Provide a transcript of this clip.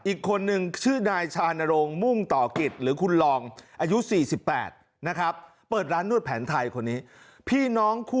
อีกคนนึงชื่อนายชานรง